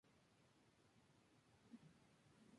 La colección es accesible para los miembros.